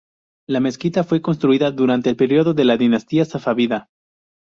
La mezquita fue construida durante el periodo de la dinastía safávida.